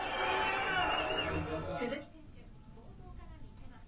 鈴木選手、冒頭から見せます。